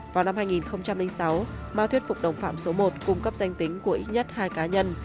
vào năm hai nghìn sáu ma thuyết phục đồng phạm số một cung cấp danh tính của ít nhất hai cá nhân